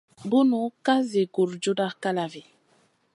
Bunu ka zi gurjuda kalavi.